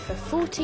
そう。